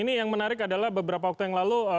ini yang menarik adalah beberapa waktu yang lalu